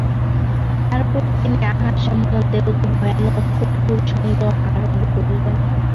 তারপর তিনি আহার সম্বন্ধে অতি ভয়ানক কঠোর সংযম আরম্ভ করিলেন।